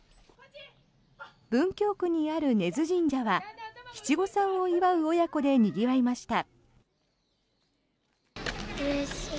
文京区にある根津神社は七五三を祝う親子でにぎわいました。